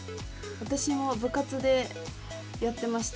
私も部活でやってましたこれ。